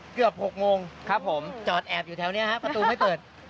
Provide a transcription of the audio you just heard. เกือบ๖โมงครับผมจอดแอบอยู่แถวนี้ฮะประตูไม่เปิด